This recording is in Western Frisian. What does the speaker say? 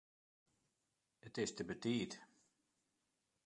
It is te betiid.